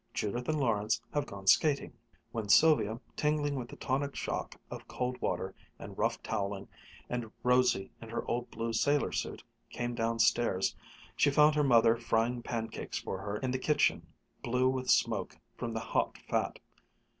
"Judith and Lawrence have gone skating." When Sylvia, tingling with the tonic shock of cold water and rough toweling, and rosy in her old blue sailor suit, came downstairs, she found her mother frying pancakes for her in the kitchen blue with smoke from the hot fat.